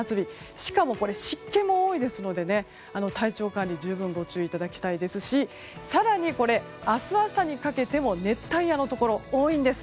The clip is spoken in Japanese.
しかも、湿気も多いので体調管理に十分ご注意いただきたいですし更に明日朝にかけても熱帯夜のところが多いんです。